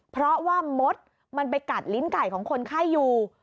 เพราะว่ามดมันไปกัดลิ้นไก่ของคนไข้อยู่